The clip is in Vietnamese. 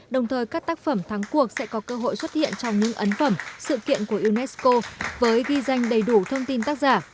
đồng thời các tác phẩm thắng cuộc sẽ có cơ hội xuất hiện trong những ấn phẩm sự kiện của unesco với ghi danh đầy đủ thông tin tác giả